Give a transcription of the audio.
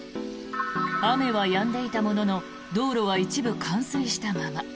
雨はやんでいたものの道路は一部冠水したまま。